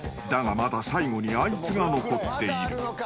［だがまだ最後にあいつが残っている］